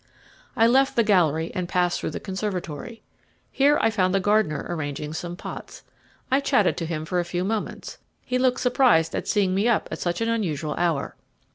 I left the gallery and passed through the conservatory. Here I found the gardener arranging some pots. I chatted to him for a few moments. He looked surprised at seeing me up at such an unusual hour.